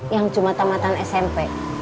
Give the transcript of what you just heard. yang cuma tamatan smp